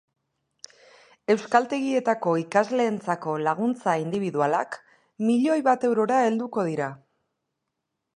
Euskaltegietako ikasleentzako laguntza indibidualak milioi bat eurora helduko dira.